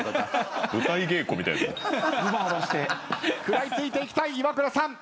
食らいついていきたいイワクラさん。